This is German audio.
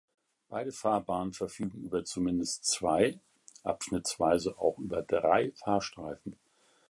Beide Fahrbahnen verfügen über zumindest zwei, abschnittsweise auch über drei Fahrstreifen.